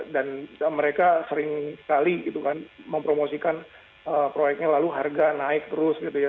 dan mereka sering sekali gitu kan mempromosikan proyeknya lalu harga naik terus gitu ya